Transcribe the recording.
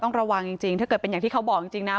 ต้องระวังจริงจริงถ้าเกิดเป็นอย่างที่เขาบอกจริงจริงนะ